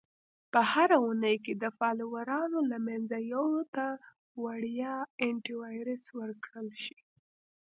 - په هره اونۍ کې د فالوورانو له منځه یو ته وړیا Antivirus ورکړل شي.